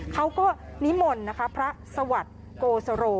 เขาก็นิมนต์นะคะพระสวัสดิ์โกสโร